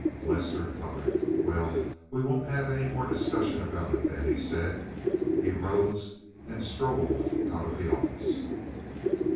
Lester colored. "Well, we won't have any more discussion about it then," he said. He rose and strolled out of the office.